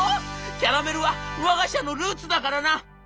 キャラメルはわが社のルーツだからな。